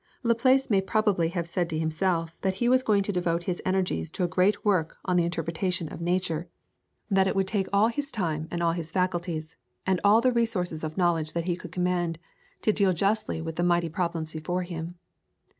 Laplace may probably have said to himself that he was going to devote his energies to a great work on the interpretation of Nature, that it would take all his time and all his faculties, and all the resources of knowledge that he could command, to deal justly with the mighty problems before him.